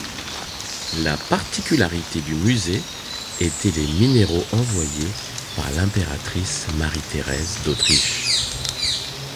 La particularité du musée étaient les minéraux envoyés par l'impératrice Marie-Thérèse d'Autriche.